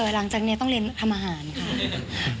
หลังจากนี้ต้องเรียนทำอาหารค่ะ